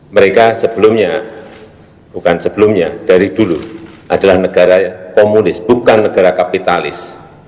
mereka sebelumnya bukan sebelumnya dari dulu adalah negara komunis bukan negara kapitalis